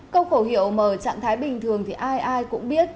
câu khẩu hiệu mở trạng thái bình thường thì ai ai cũng biết